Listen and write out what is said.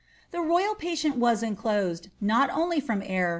The royal patient was inclosed, not only from sir.